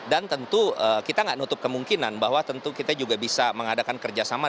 dan tentu kita nggak nutup kemungkinan bahwa tentu kita juga bisa mengadakan kerjasama